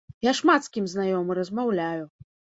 Я шмат з кім знаёмы, размаўляю.